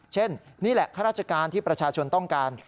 นี่แหละข้าราชการที่ประชาชนต้องการ